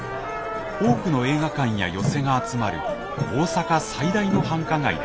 多くの映画館や寄席が集まる大阪最大の繁華街です。